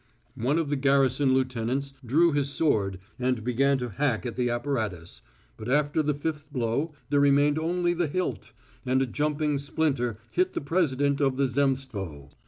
One of the garrison lieutenants drew his sword and began to hack at the apparatus, but after the fifth blow there remained only the hilt, and a jumping splinter hit the president of the Zemstvo.